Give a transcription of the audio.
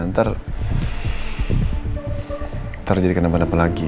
ntar jadi kenapa napa lagi